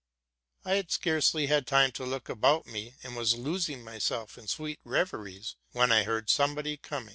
I had scarcely had time to look about me, and was losing myself in sweet reveries, when I heard somebody coming : it '~—~=— 1 iy, sO".